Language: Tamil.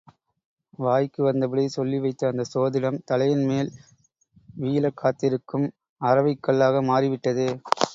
வாய்க்கு வந்தபடி சொல்லி வைத்த அந்தச் சோதிடம் தலையின் மேல் வீழக் காத்திருக்கும் அரவைக் கல்லாக மாறி விட்டதே!